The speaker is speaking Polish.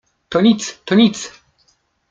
— To nic, to nic…